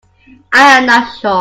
I am not sure.